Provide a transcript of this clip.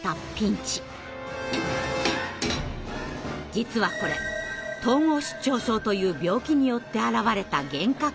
実はこれ「統合失調症」という病気によって現れた幻覚なんです。